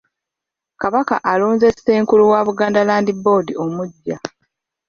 Kabaka alonze Ssenkulu wa Buganda Land Board omuggya.